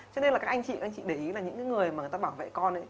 cho nên là các anh chị để ý là những người mà người ta bảo vệ con